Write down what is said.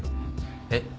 えっ？